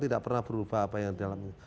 tidak pernah berubah apa yang ada dalam dunia